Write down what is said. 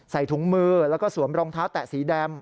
ถุงมือแล้วก็สวมรองเท้าแตะสีดำ